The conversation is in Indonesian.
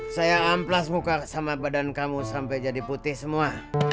saya amplas muka sama badan kamu sampai jadi putih semua